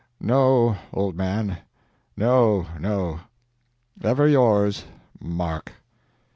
No, old man, no, no! "Ever yours, MARK."